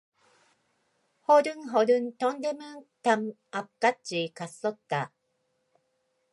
허둥허둥 동대문 담 옆까지 갔었다.